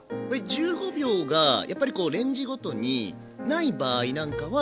１５秒がやっぱりこうレンジごとに無い場合なんかは。